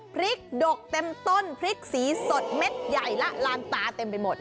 พริกดกเต็มต้นพริกสีสดเม็ดใหญ่ละลานตาเต็มไปหมด